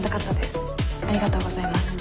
ありがとうございます。